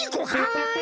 はい！